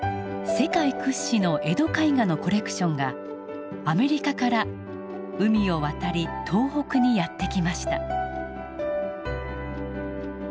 世界屈指の江戸絵画のコレクションがアメリカから海を渡り東北にやって来ました。